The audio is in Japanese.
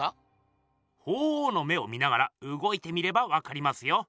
鳳凰の目を見ながらうごいてみればわかりますよ。